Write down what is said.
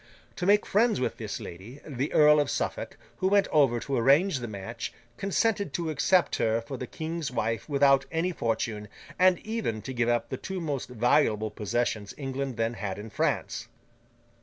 To make friends with this lady, the Earl of Suffolk, who went over to arrange the match, consented to accept her for the King's wife without any fortune, and even to give up the two most valuable possessions England then had in France.